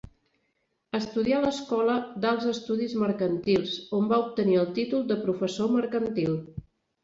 Estudià a l'Escola d'Alts Estudis Mercantils, on va obtenir el títol de professor mercantil.